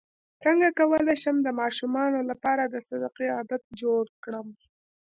څنګه کولی شم د ماشومانو لپاره د صدقې عادت جوړ کړم